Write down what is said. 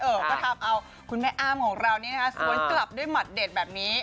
เออก็ทำเอาคุณแม่อ้ามของเรานี่นะคะสวนกลับด้วยหมัดเด็ดแบบนี้